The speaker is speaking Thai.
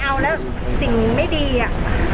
เอาแล้วสิ่งไม่ดีอะ